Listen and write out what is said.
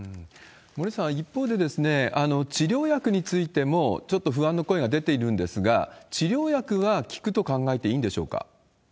森内さん、一方で治療薬についても、ちょっと不安の声が出ているんですが、治療薬は効くと考えていいんでしょうか？